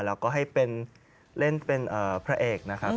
แล้วก็ให้เป็นเล่นเป็นพระเอกนะครับ